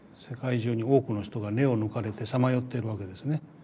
世界中に多くの人が根を抜かれてさまよっているわけですね。